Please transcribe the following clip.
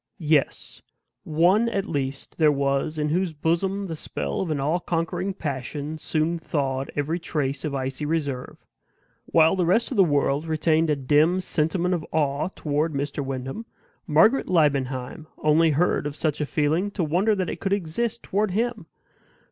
Yes; one at least there was in whose bosom the spell of all conquering passion soon thawed every trace of icy reserve. While the rest of the world retained a dim sentiment of awe toward Mr. Wyndham, Margaret Liebenheim only heard of such a feeling to wonder that it could exist toward HIM.